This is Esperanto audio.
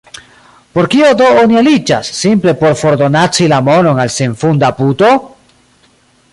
Por kio do oni aliĝas, simple por fordonaci la monon al senfunda puto?